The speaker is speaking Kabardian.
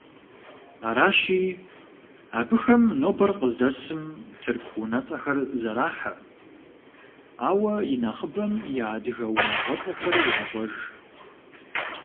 Аращи, абыхэм нобэр къыздэсым тырку унэцӏэхэр зэрахьэ, ауэ инэхъыбэм я адыгэ унагъуэцӏэхэр ящӏэж.